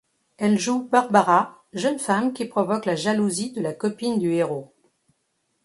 Elle joue Barbara, jeune femme qui provoque la jalousie de la copine du héros.